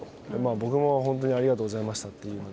僕も、本当にありがとうございましたって。